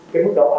cái mức độ an toàn